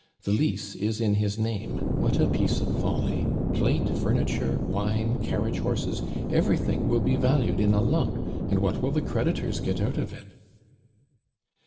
The lease is in his name. What a piece of folly! Plate, furniture, wine, carriage horses, everything will be valued in a lump, and what will the creditors get out of it?"